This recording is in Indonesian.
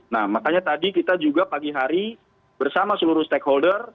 nah makanya tadi kita juga pagi hari bersama seluruh stakeholder